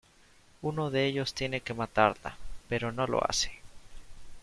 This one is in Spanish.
Uno de ellos tiene que matarla, pero no lo hace.